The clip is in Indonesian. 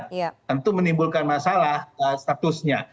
tentu menimbulkan masalah statusnya